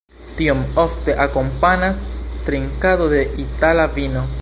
Tion ofte akompanas trinkado de itala vino.